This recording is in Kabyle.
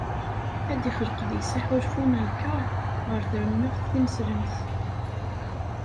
Ad d-ixleq deg-s aḥulfu n lkerh ɣer tremmeɣt tineslemt.